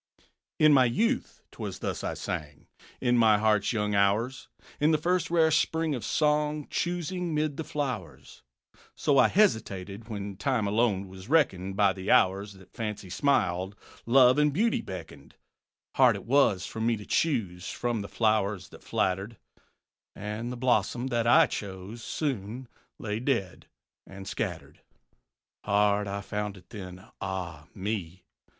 "_ _In my youth 'twas thus I sang, In my heart's young hours, In the first rare spring of song, Choosing 'mid the flowers. So I hesitated when Time alone was reckoned By the hours that Fancy smiled, Love and Beauty beckoned. Hard it was for me to choose From the flowers that flattered; And the blossom that I chose Soon lay dead and scattered. Hard I found it then, ah, me!